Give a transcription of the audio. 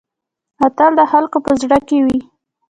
اتل د خلکو په زړه کې وي